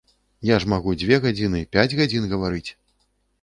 Я ж магу дзве гадзіны, пяць гадзін гаварыць!